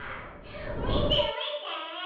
みてみて。